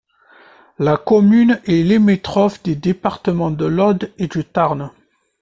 La commune est limitrophe des départements de l'Aude et du Tarn.